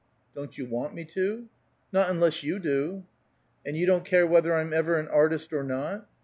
"Don't you want me to?" "Not unless you do." "And you don't care whether I'm ever an artist or not?"